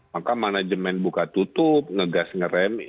maka manajemen buka tutup ngegas nge rem